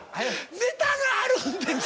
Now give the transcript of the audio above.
ネタがあるんです。